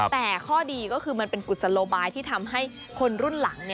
แต่ข้อดีก็คือมันเป็นกุศโลบายที่ทำให้คนรุ่นหลัง